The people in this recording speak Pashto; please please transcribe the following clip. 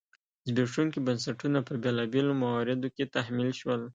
زبېښونکي بنسټونه په بېلابېلو مواردو کې تحمیل شول.